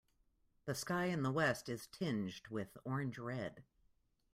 The sky in the west is tinged with orange red.